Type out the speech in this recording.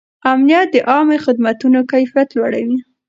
امنیت د عامه خدمتونو کیفیت لوړوي.